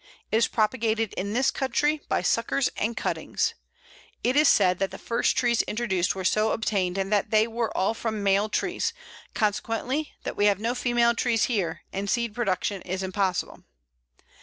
It is propagated in this country by suckers and cuttings. It is said that the first trees introduced were so obtained, and that they were all from male trees; consequently, that we have no female trees here, and seed production is impossible.